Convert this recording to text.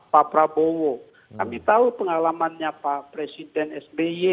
pak prabowo kami tahu pengalamannya pak presiden sby